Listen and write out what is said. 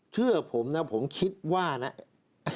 เชื่อผมนะผมคิดว่านะ